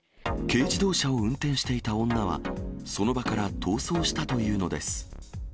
軽自動車を運転していた女は、その場から逃走したというのです。